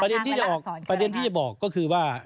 ที่จะออกประเด็นที่จะบอกก็คือว่า